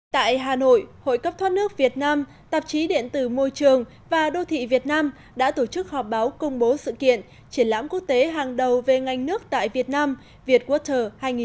tại hà nội hội cấp thoát nước việt nam tạp chí điện tử môi trường và đô thị việt nam đã tổ chức họp báo công bố sự kiện triển lãm quốc tế hàng đầu về ngành nước tại việt nam vietwater hai nghìn một mươi chín